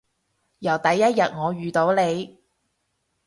由第一日我遇到你